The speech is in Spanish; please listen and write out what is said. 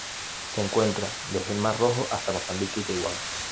Se encuentra desde el Mar Rojo hasta Mozambique y Taiwán.